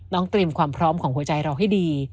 เตรียมความพร้อมของหัวใจเราให้ดี